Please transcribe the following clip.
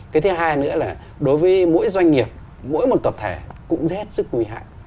cái thứ hai nữa là đối với mỗi doanh nghiệp mỗi một tập thể cũng rất sức nguy hại